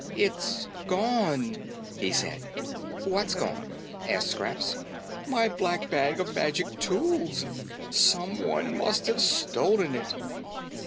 "It's gone!" he said. "What's gone?" asked Scraps. "My black bag of magic tools. Someone must have stolen it!"